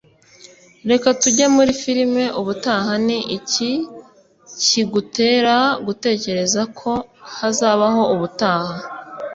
Reka tujye muri firime ubutaha Ni iki kigutera gutekereza ko hazabaho ubutaha